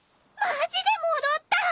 マジで戻った！